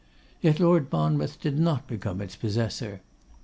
Yet Lord Monmouth did not become its possessor.